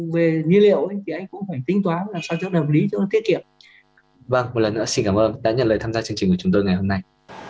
vâng một lần nữa xin cảm ơn đã nhận lời tham gia chương trình của chúng tôi ngày hôm nay